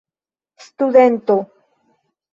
studento